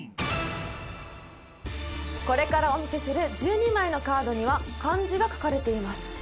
これからお見せする１２枚のカードには漢字が書かれています